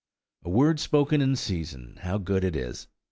A word spoken in season, how good it is!